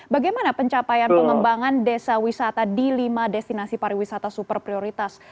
bagaimana pencapaian pengembangan desa wisata di lima destinasi pariwisata super prioritas